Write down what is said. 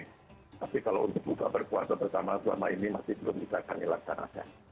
tapi kalau untuk buka berpuasa bersama selama ini masih belum bisa kami laksanakan